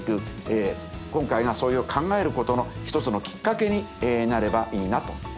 今回がそれを考えることの一つのきっかけになればいいなと思っています。